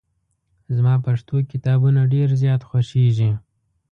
زما پښتو کتابونه ډېر زیات خوښېږي.